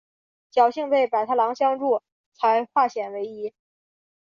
侥幸被百太郎相助才化险为夷。